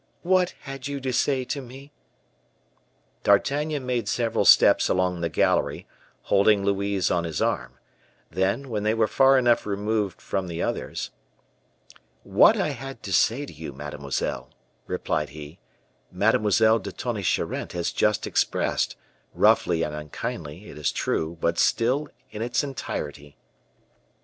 "What had you to say to me?" D'Artagnan made several steps along the gallery, holding Louise on his arm; then, when they were far enough removed from the others "What I had to say to you, mademoiselle," replied he, "Mademoiselle de Tonnay Charente has just expressed; roughly and unkindly, it is true but still in its entirety."